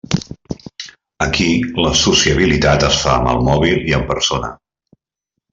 Aquí la sociabilitat es fa amb el mòbil i en persona.